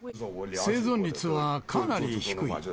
生存率はかなり低い。